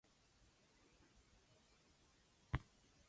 The team's colors are light blue, red and white.